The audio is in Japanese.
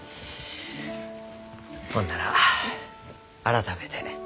ほんなら改めて。